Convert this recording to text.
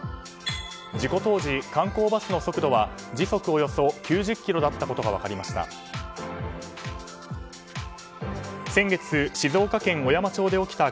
事故当時、観光バスの速度は時速およそ９０キロだったことが分かりました。